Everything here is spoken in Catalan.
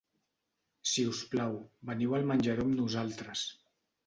Si us plau, veniu al menjador amb nosaltres.